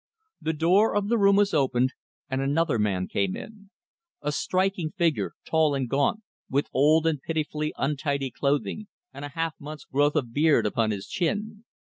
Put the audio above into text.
The door of the room was opened, and another man came in; a striking figure, tall and gaunt, with old and pitifully untidy clothing, and a half month's growth of beard upon his chin.